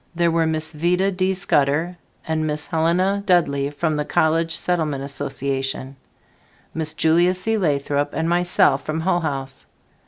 There were Miss Vida D. Scudder and Miss Helena Dudley from the College Settlement Association, Miss Julia C. Lathrop and myself from Hull House.